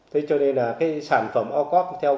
thế cho nên là cái sản phẩm ocog theo cái phát triển